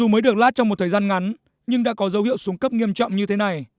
mới được lát trong một thời gian ngắn nhưng đã có dấu hiệu xuống cấp nghiêm trọng như thế này